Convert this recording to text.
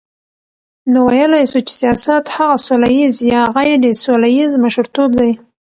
نو ویلای سو چی سیاست هغه سوله ییز یا غیري سوله ییز مشرتوب دی،